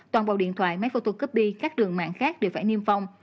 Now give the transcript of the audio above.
toàn bộ điện thoại máy photocopy các đường mạng khác đều phải niêm phong